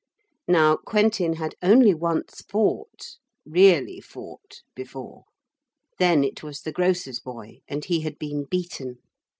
Now Quentin had only once fought really fought before. Then it was the grocer's boy and he had been beaten.